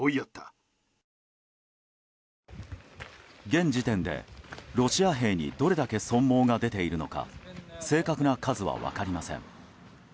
現時点で、ロシア兵にどれだけ損耗が出ているのか正確な数は分かりません。